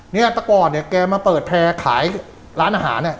เนี่ยแต่ก่อนเนี่ยแกมาเปิดแพร่ขายร้านอาหารเนี่ย